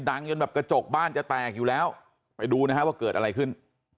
จนแบบกระจกบ้านจะแตกอยู่แล้วไปดูนะฮะว่าเกิดอะไรขึ้น